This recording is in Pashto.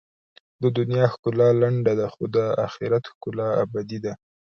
د دنیا ښکلا لنډه ده، خو د آخرت ښکلا ابدي ده.